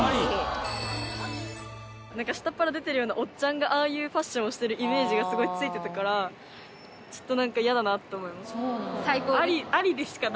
下っ腹出てるようなおっちゃんがああいうファッションをしてるイメージがすごいついてたからちょっとなんか嫌だなって思います。